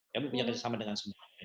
kami punya kerjasama dengan semua